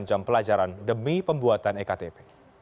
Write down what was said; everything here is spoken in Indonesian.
jam pelajaran demi pembuatan ektp